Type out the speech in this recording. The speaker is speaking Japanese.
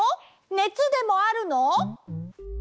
ねつでもあるの？